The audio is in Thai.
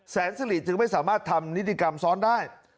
แสนสิริจึงไม่สามารถทำนิติกรรมซ้อนได้